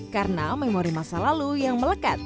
karena memori masa lalu yang melekat